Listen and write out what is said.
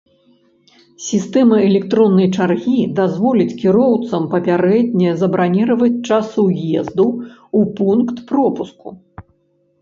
Сістэма электроннай чаргі дазволіць кіроўцам папярэдне забраніраваць час уезду ў пункт пропуску.